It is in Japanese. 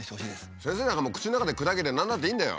先生なんかもう口の中で砕ければ何だっていいんだよ！